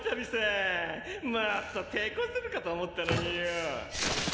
もっとてこずるかと思ったのによぉ。